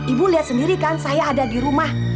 ibu lihat sendiri kan saya ada di rumah